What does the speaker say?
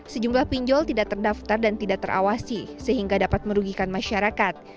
sejumlah pinjol tidak terdaftar dan tidak terawasi sehingga dapat merugikan masyarakat